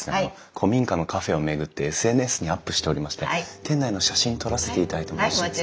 古民家のカフェを巡ってＳＮＳにアップしておりまして店内の写真撮らせていただいてもよろしいでしょうか？